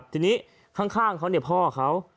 ทีนี้ข้างเขาเนี่ยพ่อเขา